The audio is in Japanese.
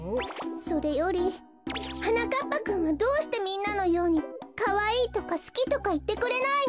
それよりはなかっぱくんはどうしてみんなのように「かわいい」とか「すき」とかいってくれないの？